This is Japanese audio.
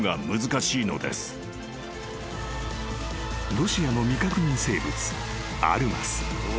［ロシアの未確認生物アルマス］